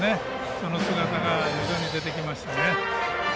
その姿が徐々に出てきましたね。